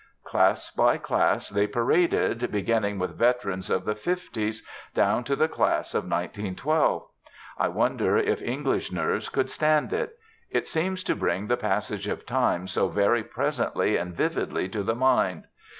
Class by class they paraded, beginning with veterans of the 'fifties, down to the class of 1912. I wonder if English nerves could stand it. It seems to bring the passage of time so very presently and vividly to the mind.